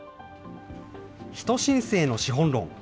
人新世の資本論。